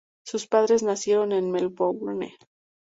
Sus padres nacieron en Melbourne.